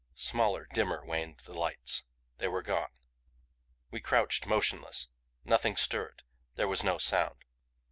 Smaller, dimmer waned the lights they were gone. We crouched, motionless. Nothing stirred; there was no sound.